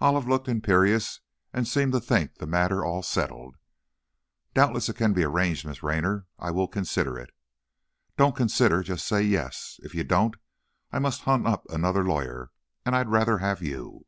Olive looked imperious and seemed to think the matter all settled. "Doubtless it can be arranged, Miss Raynor; I will consider it." "Don't consider, just say yes! If you don't I must hunt up another lawyer, and I'd rather have you."